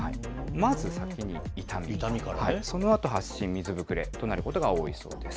まず先に痛み、そのあと発疹、水ぶくれとなることが多いそうです。